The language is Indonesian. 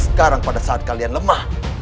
sekarang pada saat kalian lemah